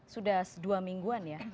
sudah dua mingguan ya